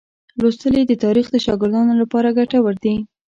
لوستل یې د تاریخ د شاګردانو لپاره ګټور دي.